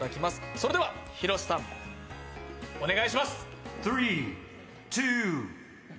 それでは広瀬さんお願いします。